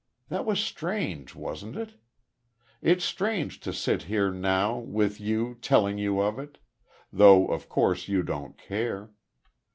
That was strange, wasn't it? It's strange to sit here now, with you, telling you of it.... Though, of course, you don't care....